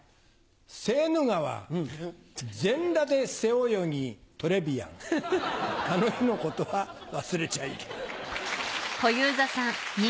セーヌ川全裸で背泳ぎトレビアンあの日の事は忘れちゃいけない。